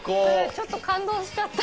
ちょっと感動しちゃった。